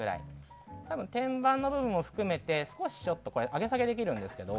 多分、天板の部分も含めて少し上げ下げできるんですけど。